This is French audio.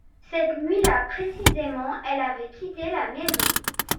Cette nuit-là précisément elle avait quitté la maison.